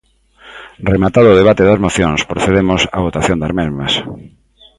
Rematado o debate das mocións, procedemos á votación das mesmas.